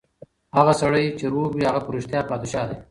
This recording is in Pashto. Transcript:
هغه سړی چې روغ وي، هغه په رښتیا پادشاه دی.